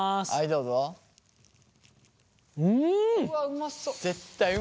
うわうまそう。